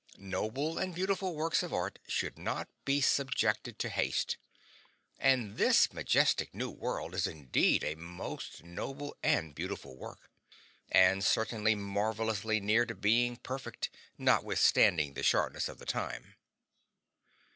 Noble and beautiful works of art should not be subjected to haste; and this majestic new world is indeed a most noble and beautiful work. And certainly marvelously near to being perfect, notwithstanding the shortness of the time.